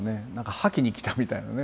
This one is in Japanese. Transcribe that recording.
吐きに来たみたいなね